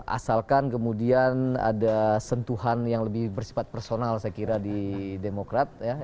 asalkan kemudian ada sentuhan yang lebih bersifat personal saya kira di demokrat